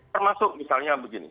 termasuk misalnya begini